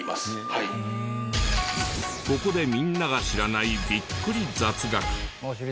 ここでみんなが知らないビックリ雑学。